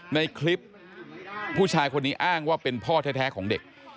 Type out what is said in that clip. ในคลิปผู้ชายคนนี้อ้างว่าเป็นพ่อแท้ของเด็ก